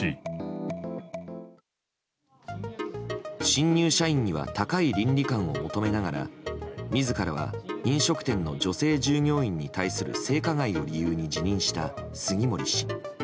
新入社員には高い倫理観を求めながら自らは飲食店の女性従業員に対する性加害を理由に辞任した杉森氏。